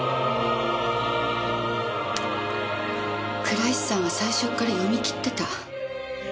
倉石さんは最初っから読み切ってた。